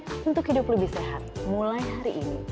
untuk hidup lebih sehat mulai hari ini